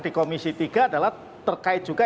di komisi tiga adalah terkait juga